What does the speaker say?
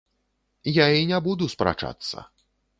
Я і не буду спрачацца.